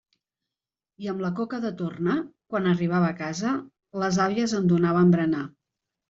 I amb la coca de torna, quan arribava a casa, les àvies em donaven berenar.